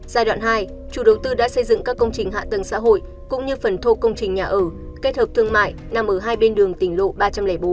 xây dựng các công trình hạ tầng xã hội cũng như phần thô công trình nhà ở kết hợp thương mại nằm ở hai bên đường tỉnh lộ ba trăm linh bốn